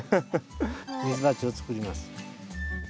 水鉢を作ります。